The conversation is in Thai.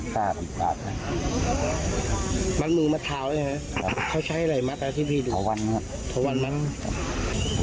คะวันมั้ง